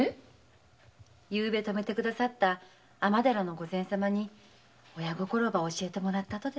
昨夜泊めてくださった尼寺の御前様に親心ば教えてもらったとです。